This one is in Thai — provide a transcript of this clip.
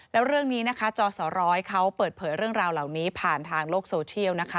แล้วเรื่องนี้นะคะจอสร้อยเขาเปิดเผยเรื่องราวเหล่านี้ผ่านทางโลกโซเชียลนะคะ